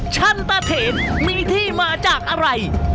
ชันตะเถนมีที่มาจากอะไร